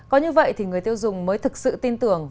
có như vậy thì người tiêu dùng mới thực sự tin tưởng